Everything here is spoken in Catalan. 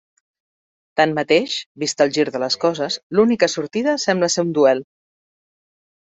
Tanmateix, vist el gir de les coses, l'única sortida sembla ser un duel.